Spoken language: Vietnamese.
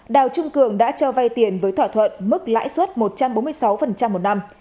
đào trung cường đã cho vay tiền với thỏa thuận mức lãi suất một trăm bốn mươi sáu một năm